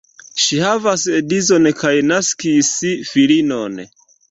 Ŝi havas edzon kaj naskis filinon.